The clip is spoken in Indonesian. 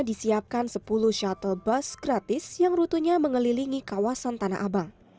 disiapkan sepuluh shuttle bus gratis yang rutunya mengelilingi kawasan tanah abang